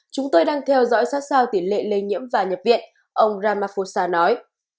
chúng tôi đang theo dõi sát sao tỷ lệ lây nhiễm và nhập viện ông ramaphosa nói